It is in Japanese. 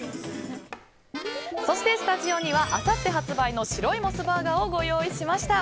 そして、スタジオにはあさって発売の白いモスバーガーをご用意しました。